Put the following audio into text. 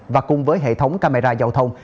và cùng với hệ thống camera giao thông